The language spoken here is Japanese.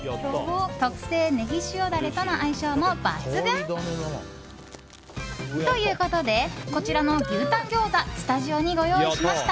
特製ネギ塩ダレとの相性も抜群！ということでこちらの牛タン餃子スタジオにご用意しました。